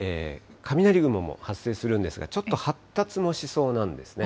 雷雲も発生するんですが、ちょっと発達もしそうなんですね。